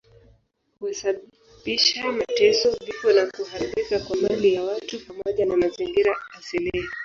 Husababisha mateso, vifo na kuharibika kwa mali ya watu pamoja na mazingira asilia.